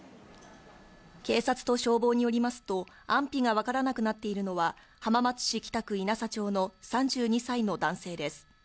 警察と消防によりますと、安否が分からなくなっているのは、浜松市北区引佐町の３２歳の男性です。